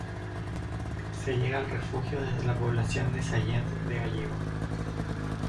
Se llega al refugio desde la población de Sallent de Gállego.